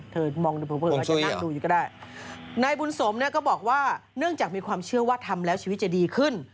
มองดูเผลอเขาจะนั่งดูอยู่ก็ได้นายบุญสมเนี่ยก็บอกว่าเนื่องจากมีความเชื่อว่าทำแล้วชีวิตจะดีขึ้น